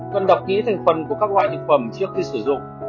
cần đọc kỹ thành phần của các loại thực phẩm trước khi sử dụng